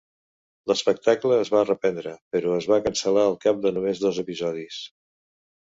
L'espectacle es va reprendre, però es va cancel·lar al cap de només dos episodis.